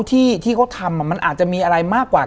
ที่เขาทำมันอาจจะมีอะไรมากกว่า